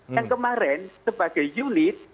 yang kemarin sebagai unit